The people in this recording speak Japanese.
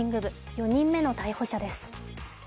４人目の逮捕者です。